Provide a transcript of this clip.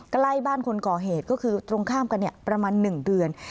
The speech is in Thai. ใกล้บ้านคนก่อเหตุก็คือตรงข้ามกันประมาณ๑เดือน